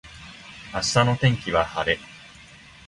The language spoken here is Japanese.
明日の天気は晴れ